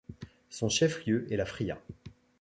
Son chef-lieu est La Fría.